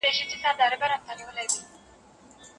او که فرض کړو، چي هغوی د پښتنو په منځ کي مدغم